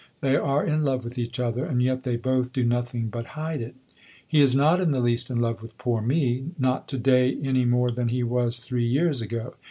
They are in love with each other, and yet they both do nothing but hide it. He is not in the least in love with poor me not to day any more than he was three years ago.